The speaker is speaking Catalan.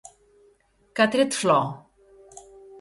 Què ha tret flor?